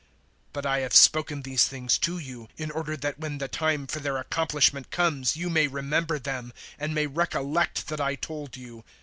016:004 But I have spoken these things to you in order that when the time for their accomplishment comes you may remember them, and may recollect that I told you.